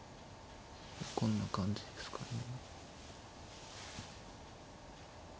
こんな感じですかね。